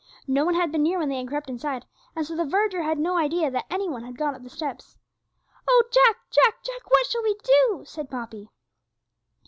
No one had been near when they had crept inside, and so the verger had no idea that any one had gone up the steps. 'Oh! Jack, Jack, Jack, what shall we do?' said Poppy.